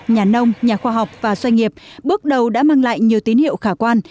nhà nông nhà khoa học và doanh nghiệp bước đầu đã mang lại nhiều tín hiệu khả quan